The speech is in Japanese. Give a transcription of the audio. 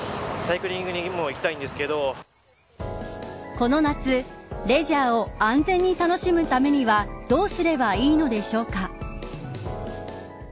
この夏、レジャーを安全に楽しむためにはどうすればいいのでしょうか。